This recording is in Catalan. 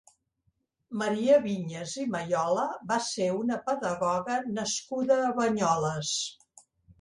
Maria Vinyes i Mayola va ser una pedagoga nascuda a Banyoles.